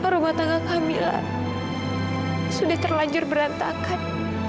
rumah tangga kehamilan sudah terlanjur berantakan